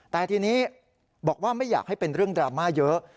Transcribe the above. แต่ทีนี้บอกว่าไม่อยากให้เป็นเรื่องดราม่าเยอะ